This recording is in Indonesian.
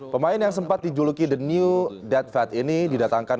pemain yang sempat dijuluki the new deadved ini didatangkan